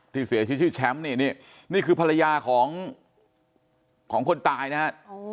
ที่เสียชีวิตชื่อแชมป์นี่นี่คือภรรยาของคนตายนะฮะ